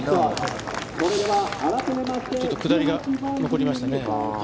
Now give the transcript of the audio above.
ちょっと下りが残りましたね。